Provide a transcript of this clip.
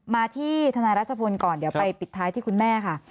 มาที่ธนายรัชพลก่อนเดี๋ยวไปปิดท้ายที่คุณแม่ค่ะ